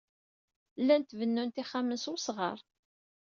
Llant bennunt ixxamen s wesɣar.